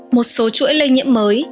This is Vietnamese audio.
một số chuỗi lây nhiễm mới